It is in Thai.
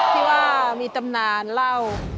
ที่ว่ามีตำนานเล่า